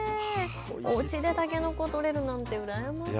おうちでたけのこ取れるなんて羨ましい。